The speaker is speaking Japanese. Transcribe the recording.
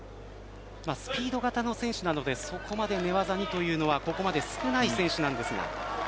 スピード型の選手なのでそこまで寝技にというのはここまで少ない選手なんですが。